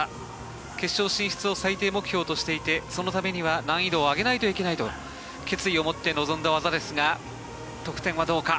決勝進出を最低目標としていてそのためには難易度を上げないといけないと決意を持って臨んだ技ですが得点はどうか。